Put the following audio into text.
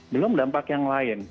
belum dampak yang lain